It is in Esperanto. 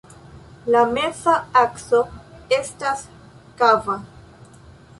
La meza akso estas kava.